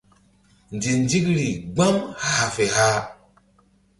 Nzinzikri gbam hah fe hah.